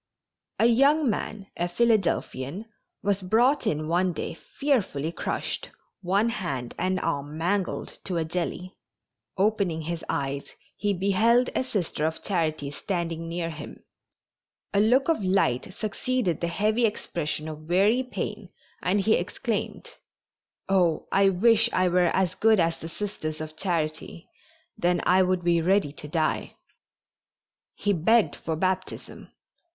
A young man, a Philadelphian, was brought in one day fearfully crushed, one hand and arm mangled to a jelly. Opening his eyes he beheld a Sister of Charity standing near him; a look of light succeeded the heavy expression of weary pain and he exclaimed: "Oh, I wish I were as good as the Sisters of Charity, then I would be ready to die." He begged for baptism.